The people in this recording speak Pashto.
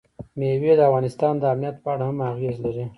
مېوې د افغانستان د امنیت په اړه هم اغېز لري.